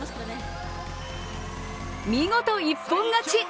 見事、一本勝ち。